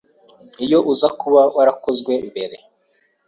Iyo uza kuba warakozwe mbere,